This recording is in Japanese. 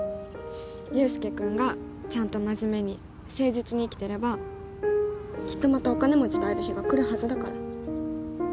祐介君がちゃんと真面目に誠実に生きてればきっとまたお金持ちと会える日が来るはずだから。